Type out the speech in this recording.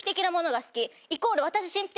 イコール。